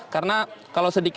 karena kalau sedikit